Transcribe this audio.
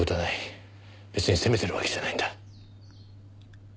別に責めてるわけじゃないんだ。